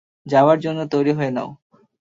যাওয়ার জন্য তৈরি হয়ে নাও।